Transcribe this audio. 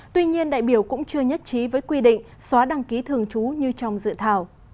tuy nhiên đại biểu cũng chưa nhất trí với quy định xóa đăng ký thường trú như trong dự thảo